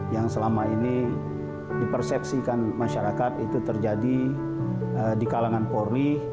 yang selama ini dipersepsikan masyarakat itu terjadi di kalangan polri